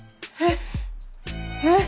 えっ！